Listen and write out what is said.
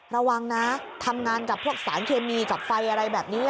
ระวังนะทำงานกับพวกสารเคมีกับไฟอะไรแบบนี้